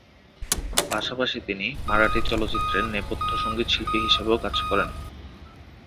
পাশাপাশি তিনি মারাঠি চলচ্চিত্রে নেপথ্য সঙ্গীতশিল্পী হিসেবেও কাজ করেন।